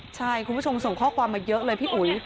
ใช่คุณผู้ชมส่งข้อความมาเยอะเลยพี่อุ๋ย